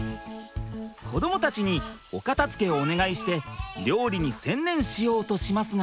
子どもたちにお片づけをお願いして料理に専念しようとしますが。